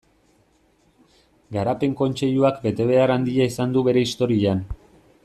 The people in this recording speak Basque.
Garapen Kontseiluak betebehar handia izan du bere historian.